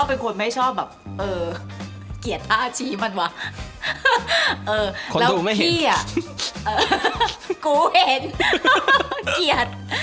เออแล้วพี่อ่ะกูเห็นเกลียด